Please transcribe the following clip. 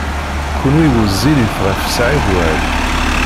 Kenwi wezzilit ɣef Saɛid Waɛli.